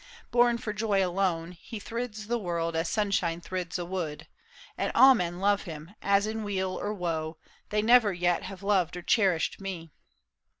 Born for joy alone, He thrids the world as sunshine thrids a wood. And all men love him, as in weal or woe They never yet have loved or cherished me.